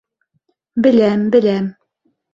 — Беләм, беләм.